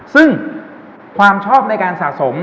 ซึ่งความชอบในการสะสม